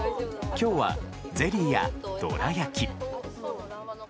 今日はゼリーやどら焼き。